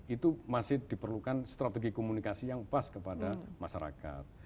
itu masih diperlukan strategi komunikasi yang pas kepada masyarakat